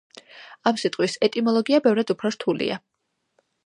ამ სიტყვის ეტიმოლოგია ბევრად უფრო რთულია.